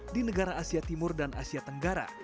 di negara asia timur dan asia tenggara